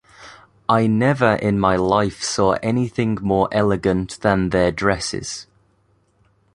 I never in my life saw anything more elegant than their dresses.